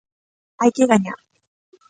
Hai que gañar.